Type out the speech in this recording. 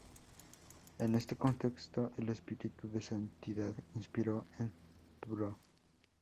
En este contexto el Espíritu de Santidad inspiró al Pbro.